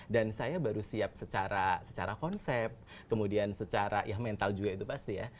dan saya baru siap secara konsep kemudian secara ya mental juga itu pasti ya